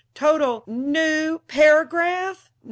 Total " "New paragraph?"